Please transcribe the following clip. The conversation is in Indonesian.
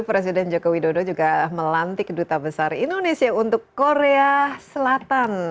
presiden joko widodo juga melantik duta besar indonesia untuk korea selatan